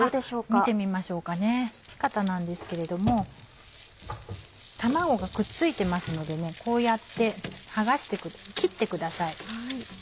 見てみましょうかねピカタなんですけれども卵がくっついてますのでこうやって切ってください。